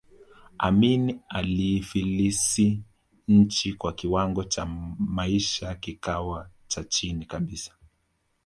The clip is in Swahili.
Amin aliifilisi nchi na kiwango cha maisha kikawa cha chini kabisa